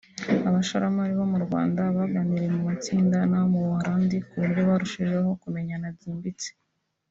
abashoramari bo mu Rwanda baganiriye mu matsinda n’abo mu Buholandi ku buryo barushijeho kumenyana byimbitse